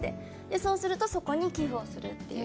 そうすると、そこに寄附をするという。